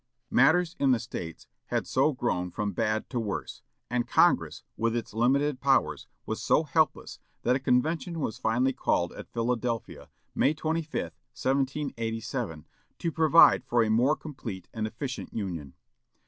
Matters in the States had so grown from bad to worse, and Congress, with its limited powers, was so helpless, that a convention was finally called at Philadelphia, May 25, 1787, to provide for a more complete and efficient Union.